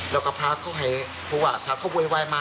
แล้วก็พระเขาให้คุณว่าถ้าเขาเววายมา